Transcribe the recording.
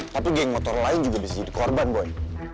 tapi geng motor lain juga bisa jadi korban boy